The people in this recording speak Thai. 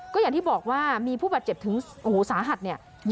ก็อย่างที่บอกว่ามีผู้บาดเจ็บถึงโอ้โหสาหัสเนี่ย